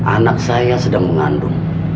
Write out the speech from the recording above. anak saya sedang mengandung